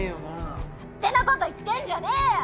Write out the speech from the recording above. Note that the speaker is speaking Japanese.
勝手なこと言ってんじゃねえよ！